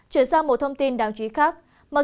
chuyển sang một thông tin đáng chú ý khác